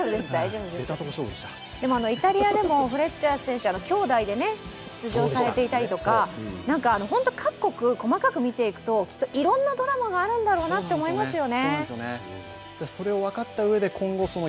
でも、イタリアでもフレッチャー選手、兄弟で出場されていたりとか本当各国細かく見ていくと、いろいろなドラマがあるんだろうなという気がしますよね。